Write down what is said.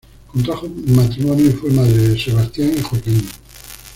Contrajo matrimonio y fue madre de Sebastián y Joaquín.